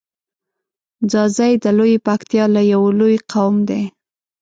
ځاځی د لویی پکتیا یو لوی قوم دی.